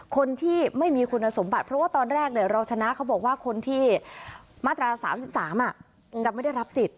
คนที่ไม่มีคุณสมบัติเพราะว่าตอนแรกเราชนะเขาบอกว่าคนที่มาตรา๓๓จะไม่ได้รับสิทธิ